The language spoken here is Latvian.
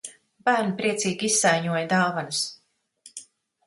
Bērni priecīgi izsaiņoja dāvanas.